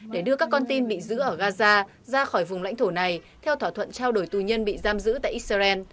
để đưa các con tin bị giữ ở gaza ra khỏi vùng lãnh thổ này theo thỏa thuận trao đổi tù nhân bị giam giữ tại israel